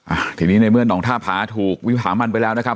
อ่าทีนี้ในเมื่อหนองท่าผาถูกวิพามันไปแล้วนะครับ